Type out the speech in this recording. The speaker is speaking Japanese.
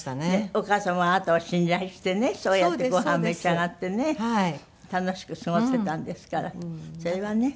お母様あなたを信頼してねそうやってご飯召し上がってね楽しく過ごせたんですからそれはね。